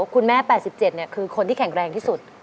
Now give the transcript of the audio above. คุณแม่๘๗คือคนที่แข็งแรงที่สุด